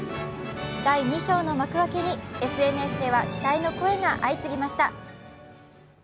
第２章の幕開けに、ＳＮＳでは期待の声が集まりました。